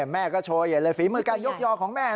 แม่ก็โชว์ใหญ่เลยฝีมือการยกยอของแม่